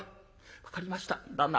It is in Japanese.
分かりました旦那。